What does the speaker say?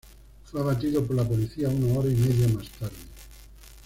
Fue abatido por la policía una hora y media más tarde.